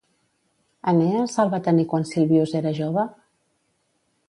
Enees el va tenir quan Silvius era jove?